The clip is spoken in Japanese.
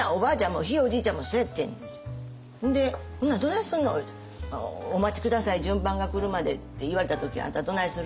ほんで「ほんならどないすんの？」言うたら「お待ち下さい順番が来るまでって言われた時あんたどないする？」